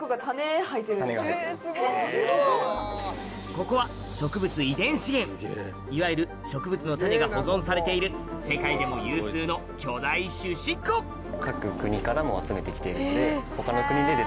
ここは植物遺伝資源いわゆる植物の種が保存されている世界でも有数の巨大種子庫中にはいる。